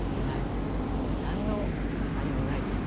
もう何のあれもないです。